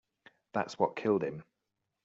That's what killed him.